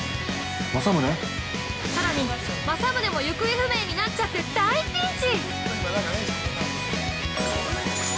◆さらに、まさむねも行方不明になっちゃって大ピンチ！？